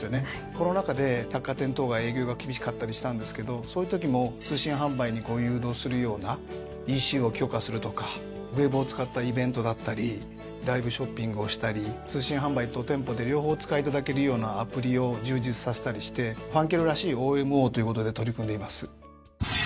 コロナ禍で百貨店等が営業が厳しかったりしたんですけどそういうときも通信販売に誘導するようなＥＣを強化するとかウェブを使ったイベントだったりライブショッピングをしたり通信販売と店舗で両方お使いいただけるようなアプリを充実させたりしてファンケルらしいＯＭＯということで取り組んでいます。